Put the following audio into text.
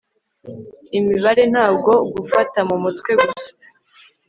imibare ntabwo gufata mu mutwe gusa